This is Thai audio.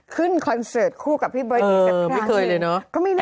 ขึ้นคอนเสิร์ตคู่กับพี่เบิร์ดอีกสัปดาห์ชื่นไม่เคยเลยเนอะก็ไม่แน่